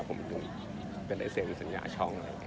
ผมเป็นไลน์เสนสัญญาช่อง